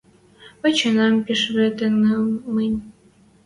Выченӓм пиш вет тӹньӹм мӹнь.